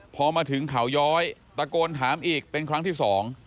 พอมาถึงเขาย้อยตะโกนถามอีกเป็นครั้งที่สอง